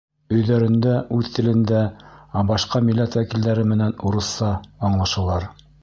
Өйҙәрендә — үҙ телендә, ә башҡа милләт вәкилдәре менән урыҫса аңлашалар.